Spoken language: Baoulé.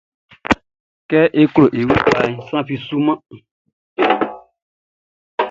Kɛ e klo e wun kpaʼn, sran fi sunman.